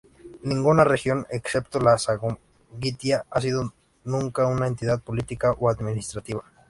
Ninguna región, excepto la Samogitia, ha sido nunca una entidad política o administrativa.